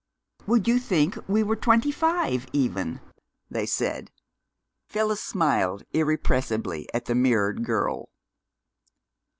"Would you think we were twenty five even?" they said. Phyllis smiled irrepressibly at the mirrored girl.